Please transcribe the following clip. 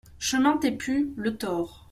Chemin Tépu, Le Thor